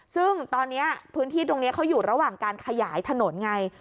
ซึ่งตอนนี้พื้นที่ตรงนี้เขาอยู่ระหว่างการขยายถนนไง